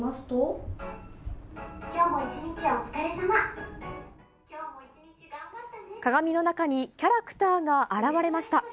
きょうも一日、鏡の中にキャラクターが現れました。